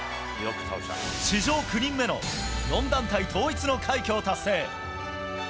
史上９人目の、４団体統一の快挙を達成。